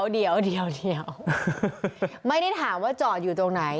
เดี๋ยวไม่ได้ถามว่าจอดอยู่ตรงไหน